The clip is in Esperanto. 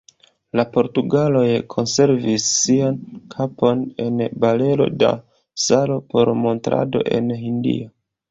La portugaloj konservis sian kapon en barelo da salo por montrado en Hindio.